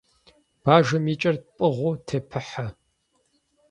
Бажэм и кӀэр пӀыгъыу тепыхьэ.